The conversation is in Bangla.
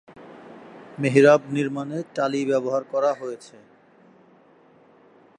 মিহরাব নির্মাণে টালি ব্যবহার করা হয়েছে।